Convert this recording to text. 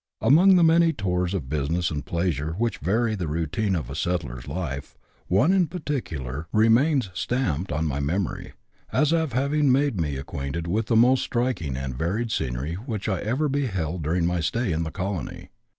125 Among the many tours of business and pleasure which vary the routine of a settler's life, one in particular remains stamped on my memory, as having made me acquainted with the most striking and varied scenery which I ever beheld during my stay in the colony.